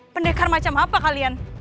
pendekar macam apa kalian